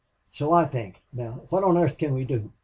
"So I think.... Now what on earth can we do?